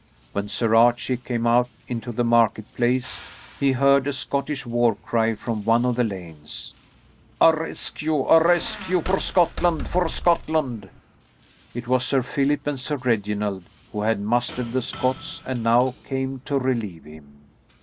When Sir Archie came out into the market place he heard a Scottish war cry from one of the lanes: "A rescue! A rescue! For Scotland! For Scotland!" It was Sir Philip and Sir Reginald, who had mustered the Scots and now came to relieve him.